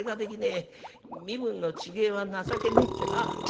身分の違えは情けねえってな